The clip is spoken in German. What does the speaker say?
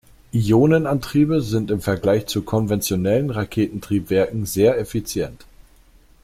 Ionenantriebe sind im Vergleich zu konventionellen Raketentriebwerken sehr effizient.